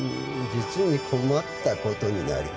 実に困ったことになります。